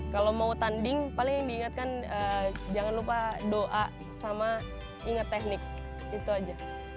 kalau mau tanding paling diingatkan jangan lupa doa sama ingat teknik itu aja